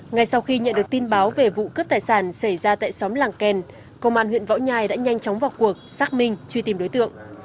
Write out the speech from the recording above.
ngay sau khi nhận được tin báo về vụ cướp tài sản xảy ra tại xóm làng kèn công an huyện võ nhai đã nhanh chóng vào cuộc xác minh truy tìm đối tượng